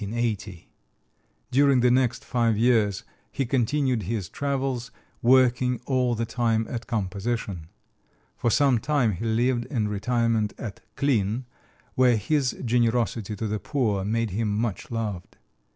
During the next five years he continued his travels, working all the time at composition. For some time he lived in retirement at Klin, where his generosity to the poor made him much loved.